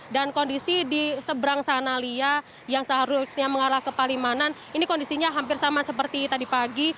dan kondisi di seberang sana lia yang seharusnya mengarah ke palimanan ini kondisinya hampir sama seperti tadi pagi